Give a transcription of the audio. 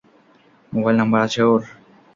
Mobile number আছে ওর?